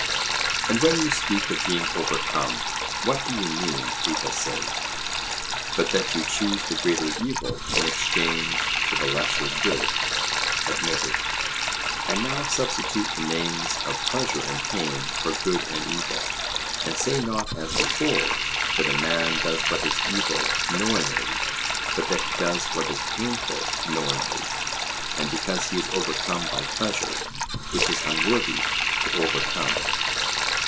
And when you speak of being overcome 'what do you mean,' he will say, 'but that you choose the greater evil in exchange for the lesser good?' Admitted. And now substitute the names of pleasure and pain for good and evil, and say, not as before, that a man does what is evil knowingly, but that he does what is painful knowingly, and because he is overcome by pleasure, which is unworthy to overcome.